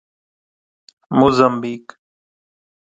Mozambique